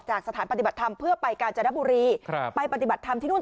สถานปฏิบัติธรรมเพื่อไปกาญจนบุรีไปปฏิบัติธรรมที่นู่น